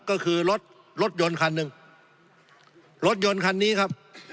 ก็คือรถรถยนต์คันหนึ่งรถยนต์คันนี้ครับ